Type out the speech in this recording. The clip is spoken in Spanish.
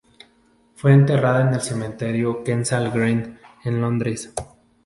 Fue enterrada en el Cementerio Kensal Green, en Londres.